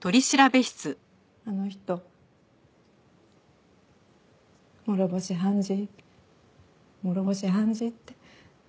あの人諸星判事諸星判事って。